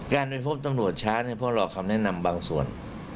การไปพบตำรวจช้าพวกเราคำแนะนำบางส่วน